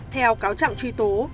theo cáo chẳng truy tố